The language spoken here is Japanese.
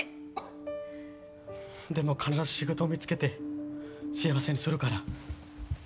でも、必ず仕事見つけて幸せにするから。